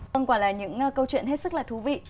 ông quả là những câu chuyện hết sức là thú vị